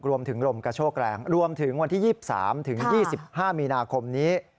รวมถึงลมกระโชกแรงรวมถึงวันที่๒๓ถึง๒๕มีนาคมนี้